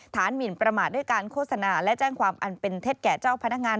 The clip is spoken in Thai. หมินประมาทด้วยการโฆษณาและแจ้งความอันเป็นเท็จแก่เจ้าพนักงาน